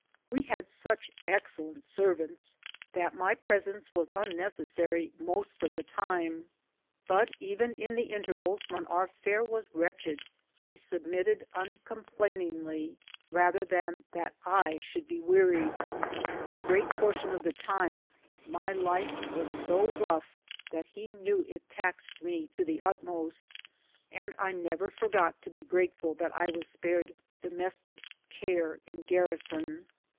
We had such ex cellent servants that my presence was unnecessary most of tlie time, but even in the intervals when our fare was wretched he submitted uncomplainingly rather than that I should be wearied. A great portion of the time my life was so rough that he knew it taxed me to the ut most, and I never forgot to be grateful that I was spared domestic care in garrison.